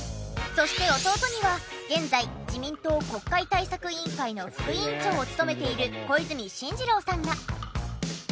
そして弟には現在自民党国会対策委員会の副委員長を務めている小泉進次郎さんが。